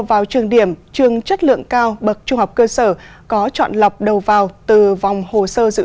vào trường điểm trường chất lượng cao bậc trung học cơ sở có chọn lọc đầu vào từ vòng hồ sơ dự